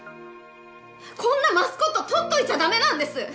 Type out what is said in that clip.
こんなマスコットとっといちゃだめなんです！